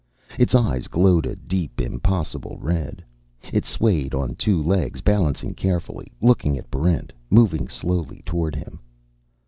Its eyes glowed a deep, impossible red. It swayed on two legs, balancing carefully, looking at Barrent, moving slowly toward him.